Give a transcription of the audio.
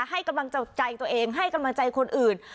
ให้กำลังใจตัวเองให้กำลังใจคนอื่น